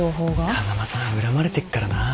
風間さん恨まれてっからな。